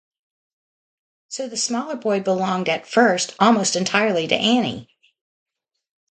So the smaller boy belonged at first almost entirely to Annie.